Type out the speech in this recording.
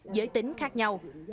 giới tính khác nhau